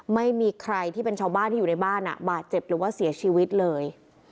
ไม่มีใครที่เป็นชาวบ้านที่อยู่ในบ้านบาดเจ็บหรือว่าเสียชีวิตเลย